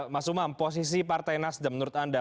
mas umam posisi partai nasdem menurut anda